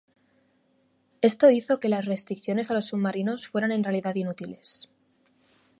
Esto hizo que las restricciones a los submarinos fueran en realidad inútiles.